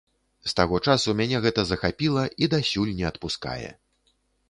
З таго часу мяне гэта захапіла і дасюль не адпускае.